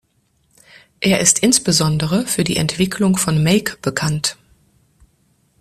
Er ist insbesondere für die Entwicklung von make bekannt.